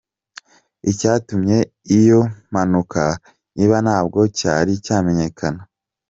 Icyatumye iyo mpanuka iba ntabwo cyari cyamenyekana.